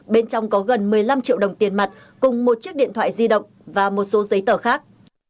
bên trong có gần một mươi năm triệu đồng tiền mặt cùng một chiếc điện thoại di động và một số giấy tờ khác